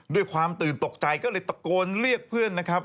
ด้วยความตื่นตกใจก็เลยตะโกนเรียกเพื่อนนะครับ